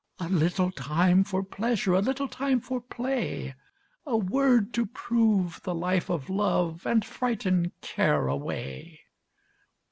A little time for pleasure, A little time for play; A word to prove the life of love And frighten Care away!